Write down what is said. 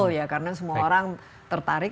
ya karena semua orang tertarik